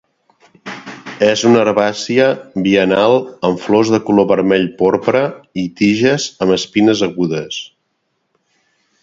És una herbàcia biennal amb flors de color vermell porpra i tiges amb espines agudes.